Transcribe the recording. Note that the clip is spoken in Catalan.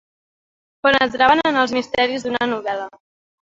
Penetraven en els misteris d'una novel·la.